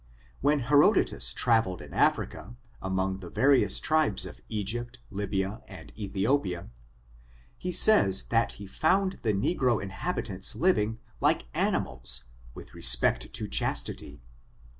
When Herodotus traveled in Africa, among the various tribes of Egypt, Lybia, and Ethiopia, he says that he found the negro inhabitants living like ani mals, with respect to chastity.